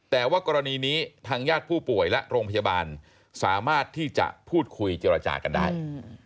แต่ว่ากรณีนี้ทางญาติผู้ป่วยและโรงพยาบาลสามารถที่จะพูดคุยเจรจากันได้